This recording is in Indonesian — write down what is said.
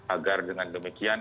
agar dengan demikian